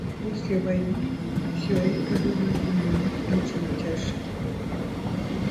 И после войны все это было для меня очень тяжким.